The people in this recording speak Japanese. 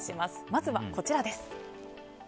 まずはこちらです。